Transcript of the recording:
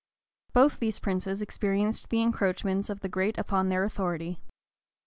[*] Both these princes experienced the encroachments of the great upon their authority.